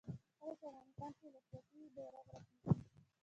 کله چې افغانستان کې ولسواکي وي بیرغ رپیږي.